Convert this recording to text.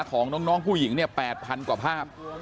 ของน้องผู้หญิงเนี่ย๘๐๐๐กว่าภาพ